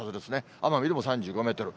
奄美でも３５メートル。